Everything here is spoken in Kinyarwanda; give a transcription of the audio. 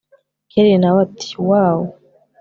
kellia nawe ati wooowww